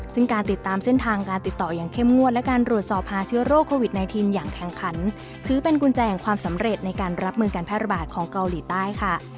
ซึ่งการติดตามเส้นทางการติดต่ออย่างเข้มงวดและการรวดสอบหาเชื้อโรคโควิด๑๙อย่างแข่งขันถือเป็นกุญแจของความสำเร็จในการรับมือการแพร่ระบาดของเกาหลีใต้ค่ะ